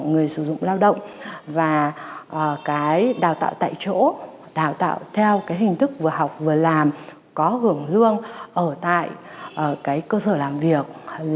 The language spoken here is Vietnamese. nhiều người xây dựng lao động và cái đào tạo tại chỗ đào tạo theo cái hình thức vừa học vừa làm có hưởng dương ở tại cơ sở làm việc